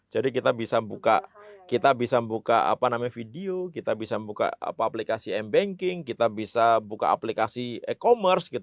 jadi kita bisa buka video kita bisa buka aplikasi mbanking kita bisa buka aplikasi e commerce